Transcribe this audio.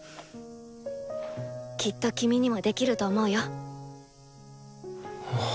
きっと君にもできると思うよ。